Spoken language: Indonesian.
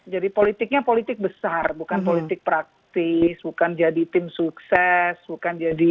jadi politiknya politik besar bukan politik praktis bukan jadi tim sukses bukan jadi